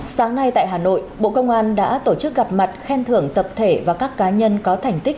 sáng nay tại hà nội bộ công an đã tổ chức gặp mặt khen thưởng tập thể và các cá nhân có thành tích